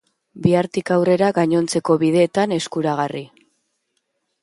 Bihartik aurrera gainontzeko bideetan eskuragarri.